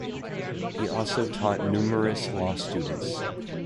He also taught numerous law students.